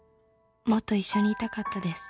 もっと一緒にいたかったです」